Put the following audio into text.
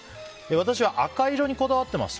私は赤色にこだわっています。